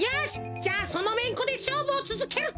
じゃあそのめんこでしょうぶをつづけるか！